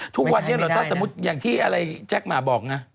ทุกวันนี้เหรอถ้าสมมุติอย่างที่อะไรแจ๊คหมาบอกนะ